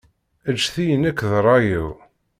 Ǧǧet-iyi nekk d ṛṛay-iw.